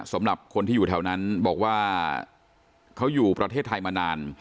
สำหรับคนที่อยู่แถวนั้นบอกว่าเขาอยู่ประเทศไทยมานาน